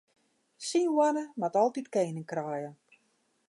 Syn hoanne moat altyd kening kraaie.